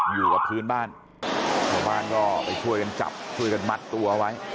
อยู่กับพื้นบ้านชาวบ้านก็ไปช่วยกันจับช่วยกันมัดตัวไว้